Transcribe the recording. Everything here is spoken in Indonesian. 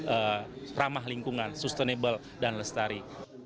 yang ramah lingkungan sustainable dan lestari